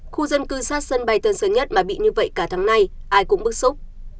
khu dân cư sát sân bay tân sơn nhất mà bị như vậy cả tháng nay ai cũng bức xúc